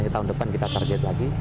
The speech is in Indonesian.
tahun depan kita target lagi